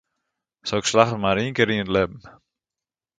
Soks slagget mar ien kear yn it libben.